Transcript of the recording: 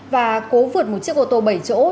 và cố vượt một chiếc ô tô bảy chỗ